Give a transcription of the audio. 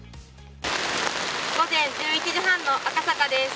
午前１１時半の赤坂です。